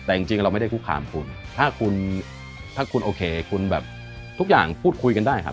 แต่จริงเราไม่ได้คุกคามคุณถ้าคุณถ้าคุณโอเคคุณแบบทุกอย่างพูดคุยกันได้ครับ